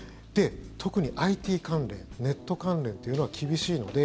特にＩＴ関連、ネット関連というのは厳しいので